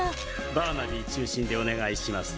バーナビー中心でお願いしますよ。